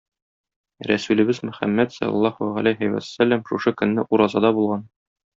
Рәсүлебез Мөхәммәд салләллаһу галәйһи вәссәлам шушы көнне уразада булган.